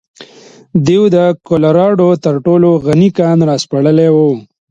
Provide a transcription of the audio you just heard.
دوی د کولراډو تر ټولو غني کان راسپړلی و.